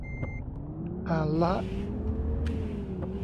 อ่านละ